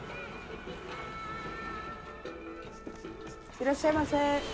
いらっしゃいませ。